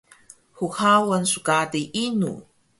hhaun skadi inu?